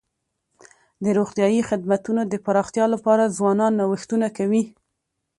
د روغتیايي خدمتونو د پراختیا لپاره ځوانان نوښتونه کوي.